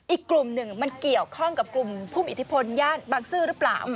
อีกกลุ่มหนึ่งมันเกี่ยวข้องกับกลุ่มผู้มีอิทธิพลย่านบางซื่อหรือเปล่า